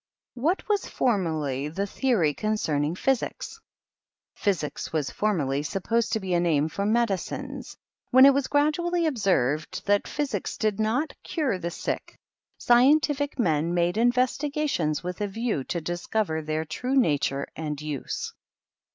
What was formerly the theory concerning Physics f Physics was formerly supposed to be a name for medicines. When it was gradually observed that Physics did not cure the sick, scientific men made investigations with a view to discover their true nature and use.